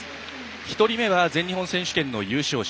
１人目は全日本選手権の優勝者。